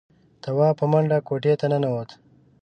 تواب په منډه کوټې ته ننوت.